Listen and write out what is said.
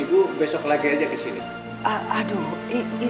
ibu besok lagi aja kesini